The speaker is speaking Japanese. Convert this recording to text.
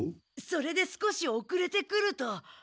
それで少しおくれて来ると。